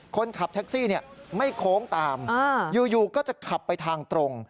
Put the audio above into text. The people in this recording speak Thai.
คนขับแท็กซี่ไม่โค้งตามอยู่ก็จะขับไปทางตรง